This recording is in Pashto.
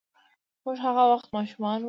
موږ هغه وخت ماشومان وو.